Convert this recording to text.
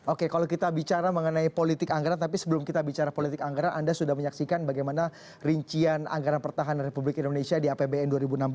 oke kalau kita bicara mengenai politik anggaran tapi sebelum kita bicara politik anggaran anda sudah menyaksikan bagaimana rincian anggaran pertahanan republik indonesia di apbn dua ribu enam belas